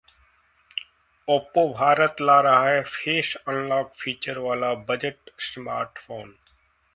Oppo Bharat ला रहा है फेस अनलॉक फीचर वाला बजट स्मार्टफोन